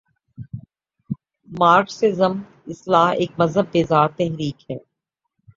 Marxism اصلا ایک مذہب بیزار تحریک ہے۔